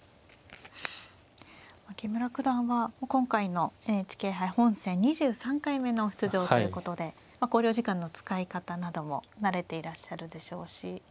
木村九段は今回のＮＨＫ杯本戦２３回目の出場ということで考慮時間の使い方なども慣れていらっしゃるでしょうし。